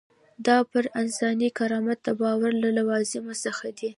دا پر انساني کرامت د باور له لوازمو څخه دی.